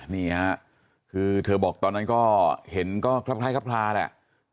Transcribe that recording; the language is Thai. นี่ค่ะคือเธอบอกตอนนั้นก็เห็นก็คลับคล้ายครับคลาแหละ